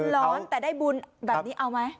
ร้อนแต่ได้บุญแบบนี้เอาไหม